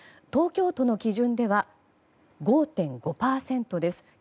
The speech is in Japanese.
東京都の基準では５．５％です。